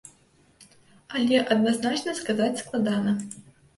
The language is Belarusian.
Але адназначна сказаць складана.